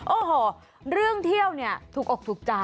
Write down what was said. โอ้โหเรื่องเที่ยวเนี่ยถูกอกถูกใจ